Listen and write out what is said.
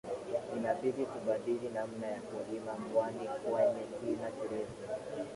Inabidi tubadili namna ya kulima mwani kwenye kina kirefu